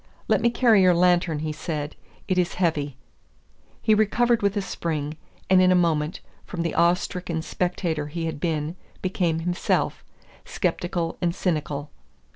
"Let me carry your lantern," he said; "it is heavy." He recovered with a spring; and in a moment, from the awe stricken spectator he had been, became himself, sceptical and cynical.